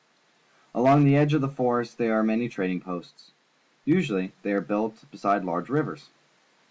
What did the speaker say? Along the edge of the forest there are many trading posts. Usually they are built beside large rivers.